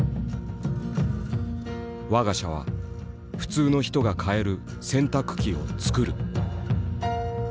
「我が社は普通の人が買える洗濯機を作る」。